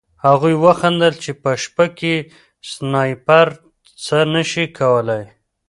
هغوی وخندل چې په شپه کې سنایپر څه نه شي کولی